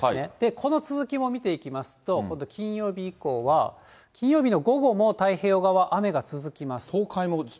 この続きも見ていきますと、今度金曜日以降は、金曜日の午後も太平洋側、雨が続きます。